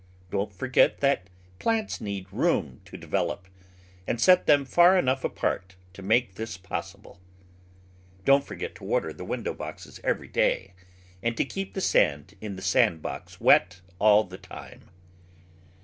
Don't forget that plants need room to develop, and set them far enough apart to make this possible. Don't forget to water the window boxes every day, and to keep the sand in the sand box wet all the time.